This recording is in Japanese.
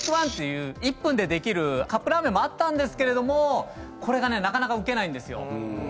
ＱＵＩＣＫ−１っていう１分でできるカップラーメンもあったんですけれどもこれがねなかなかウケないんですよ。